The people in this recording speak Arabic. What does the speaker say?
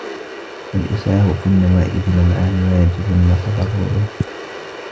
وَالْإِسْعَافُ فِي النَّوَائِبِ نَوْعَانِ وَاجِبٌ وَتَبَرُّعٌ